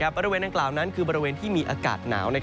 บริเวณดังกล่าวนั้นคือบริเวณที่มีอากาศหนาว